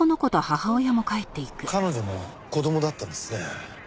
彼女の子供だったんですね。